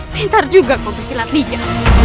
pintar juga kau persilat lija